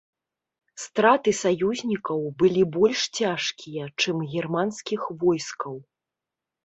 Страты саюзнікаў былі больш цяжкія, чым германскіх войскаў.